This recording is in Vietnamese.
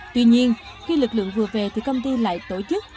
tuy nhiên khi lực lượng vừa về thì công ty lại tổ chức